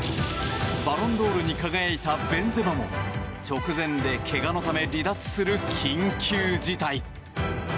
バロンドールに輝いたベンゼマも直前でけがのため離脱する緊急事態。